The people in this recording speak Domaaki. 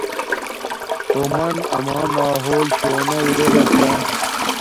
تومن اما ماحول شونا ارے گا چھا